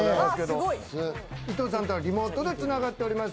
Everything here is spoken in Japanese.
伊藤さんとはリモートで繋がっております。